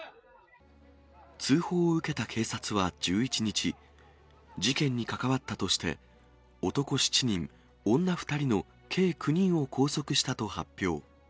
通報を受けた警察は１１日、事件に関わったとして、男７人、女２人の計９人を拘束したと発表。